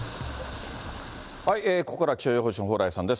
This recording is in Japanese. ここからは気象予報士の蓬莱さんです。